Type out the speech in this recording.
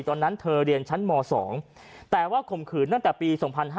ตอนนั้นเธอเรียนชั้นม๒แต่ว่าข่มขืนตั้งแต่ปี๒๕๕๙